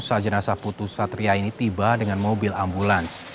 saat jenazah putri satria ini tiba dengan mobil ambulans